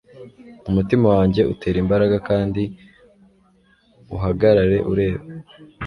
umutima wanjye utera imbaraga, kandi uhagarare ureba